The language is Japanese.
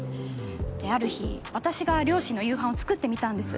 である日私が両親の夕飯を作ってみたんです。